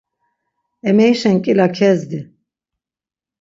Emerişen nǩila kezdi.